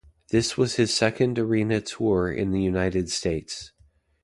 This was his second arena tour in the United States.